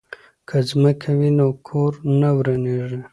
که ځمکه وي نو کور نه ورانیږي.